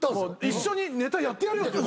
一緒にネタやってやるよって。